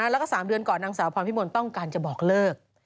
แล้วก็๓เดือนก่อนนางสาวพรพิมลต้องการจะบอกเลิก